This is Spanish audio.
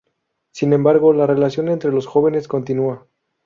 Sin embargo, la relación entre los jóvenes continúa.